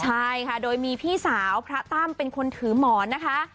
ใช่ค่ะโดยมีพี่สาวพระตั้มเป็นคนถือหมอนนะคะ